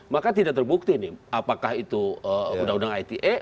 maka tidak terbukti nih apakah itu undang undang ite